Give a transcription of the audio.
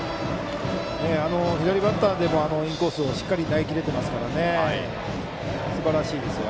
左バッターでもあのインコースをしっかり投げ切れていますからすばらしいですよ。